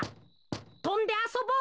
とんであそぼうぜ。